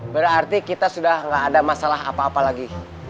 berarti kita sudah tidak ada masalah apa apa lagi